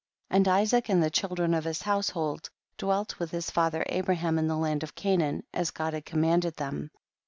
18. And Isaac and the children of his household dwelt with his father Abraham in the land of Canaan, as God had commanded them.